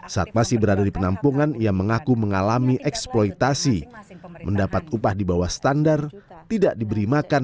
saat masih berada di penampungan ia mengaku mengalami eksklusif